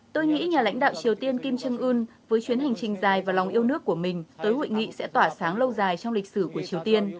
tôi nghĩ nhà lãnh đạo triều tiên kim jong un với chuyến hành trình dài và lòng yêu nước của mình tới hội nghị sẽ tỏa sáng lâu dài trong lịch sử của triều tiên